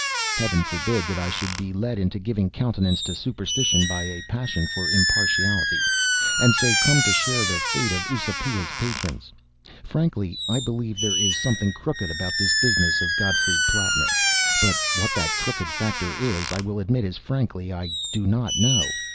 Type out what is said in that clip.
Heaven forbid that I should be led into giving countenance to superstition by a passion for impartiality, and so come to share the fate of Eusapia's patrons! Frankly, I believe there is something crooked about this business of Gottfried Plattner; but what that crooked factor is, I will admit as frankly, I do not know.